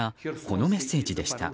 このメッセージでした。